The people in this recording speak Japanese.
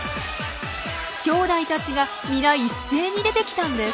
きょうだいたちが皆一斉に出てきたんです。